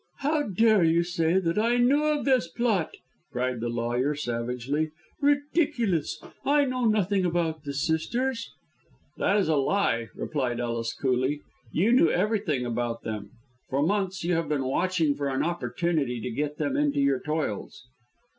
"How dare you say that I knew of this plot!" cried the lawyer, savagely. "Ridiculous! I know nothing about the sisters." "That is a lie!" replied Ellis, coolly. "You know everything about them. For months you have been watching for an opportunity to get them into your toils."